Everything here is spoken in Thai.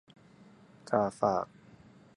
กาฝาก